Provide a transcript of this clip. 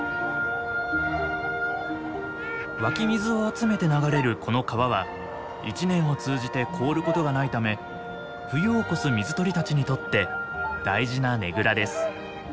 湧き水を集めて流れるこの川は一年を通じて凍ることがないため冬を越す水鳥たちにとって大事なねぐらです。